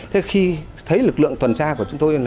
thế khi thấy lực lượng tuần tra của chúng tôi